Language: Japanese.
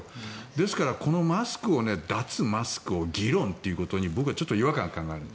ですから、マスクを脱マスクを議論ということに僕はちょっと違和感がある。